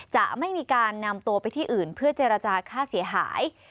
จะไม่มีการนำตัวไปที่อื่นเพื่อเจรจาค่าเสียหาย